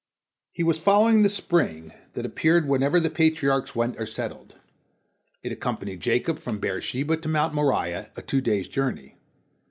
He was following the spring that appeared wherever the Patriarchs went or settled. It accompanied Jacob from Beer sheba to Mount Moriah, a two days' journey.